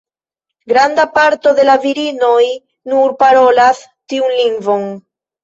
Granda parto de la virinoj nur parolas tiun lingvon.